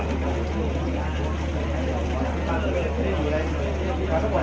เมืองอัศวินธรรมดาคือสถานที่สุดท้ายของเมืองอัศวินธรรมดา